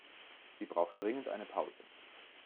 Sie braucht dringend eine Pause.